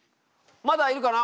まだいるかな？